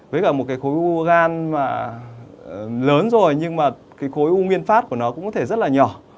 với cả một cái khối u gan mà lớn rồi nhưng mà cái khối u nguyên phát của nó cũng có thể rất là nhỏ